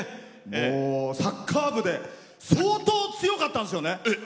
サッカー部で相当、強かったんですよね？